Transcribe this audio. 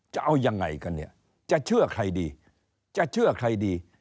จะเอายังไงกันเนี้ยจะเชื่อใครดี